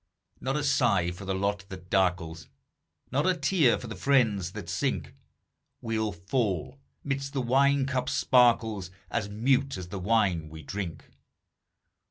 Not a sigh for the lot that darkles, Not a tear for the friends that sink; We'll fall, midst the wine cup's sparkles, As mute as the wine we drink.